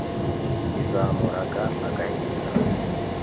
izamuraga agahinda